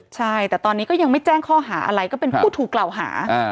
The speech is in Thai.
ใช่แต่ตอนนี้ก็ยังไม่แจ้งข้อหาอะไรก็เป็นผู้ถูกกล่าวหา